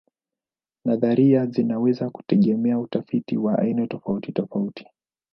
Nadharia zinaweza kutegemea utafiti wa aina tofautitofauti.